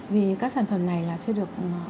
vì các sản phẩm này chưa được